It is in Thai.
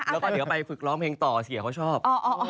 แล้วก็เดี๋ยวไปฝึกร้องเพลงต่อเสียเขาชอบ